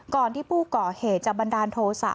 ก่อนที่ผู้เกาะเหตุจากบรรดาโนโศะ